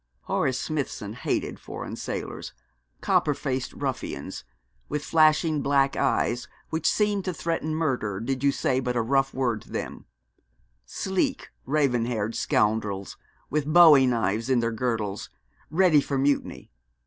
Horace Smithson hated foreign sailors, copper faced ruffians, with flashing black eyes which seemed to threaten murder, did you but say a rough word to them; sleek, raven haired scoundrels, with bowie knives in their girdles, ready for mutiny.